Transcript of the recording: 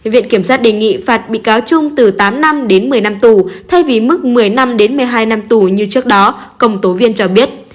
viện kiểm sát đề nghị phạt bị cáo trung từ tám năm đến một mươi năm tù thay vì mức một mươi năm đến một mươi hai năm tù như trước đó công tố viên cho biết